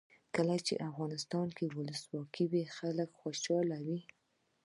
کله چې افغانستان کې ولسواکي وي کورنۍ خوشحاله وي.